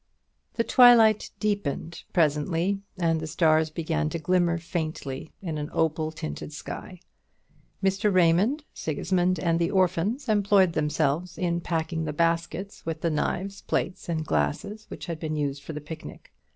The twilight deepened presently, and the stars began to glimmer faintly in an opal tinted sky. Mr. Raymond, Sigismund, and the orphans, employed themselves in packing the baskets with the knives, plates, and glasses which had been used for the picnic.